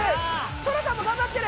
ソラさんもがんばってる。